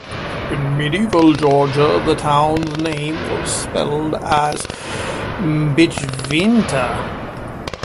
In medieval Georgia, the town's name was spelled as "Bichvinta".